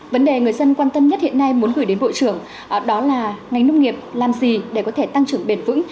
vấn đề người dân quan tâm nhất hiện nay muốn gửi đến bộ trưởng đó là ngành nông nghiệp làm gì để có thể tăng trưởng bền vững